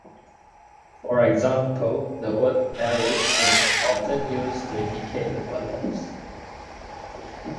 For example, the word "Aris" is often used to indicate the buttocks.